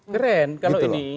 keren kalau ini